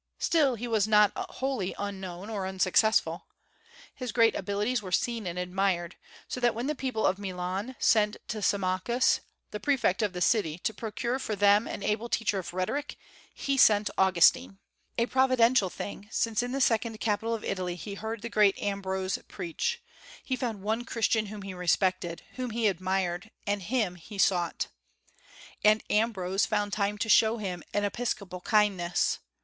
Still, he was not wholly unknown or unsuccessful. His great abilities were seen and admired; so that when the people of Milan sent to Symmachus, the prefect of the city, to procure for them an able teacher of rhetoric, he sent Augustine, a providential thing, since in the second capital of Italy he heard the great Ambrose preach; he found one Christian whom he respected, whom he admired, and him he sought. And Ambrose found time to show him an episcopal kindness.